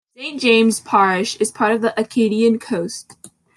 Saint James Parish is part of the Acadian Coast.